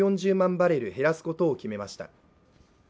バレル減らすことを決めました。